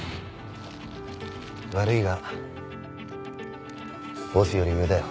悪いがボスより上だよ。